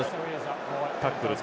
タックル。